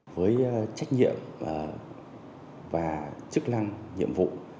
với trách nhiệm và chức lăng nhiệm vụ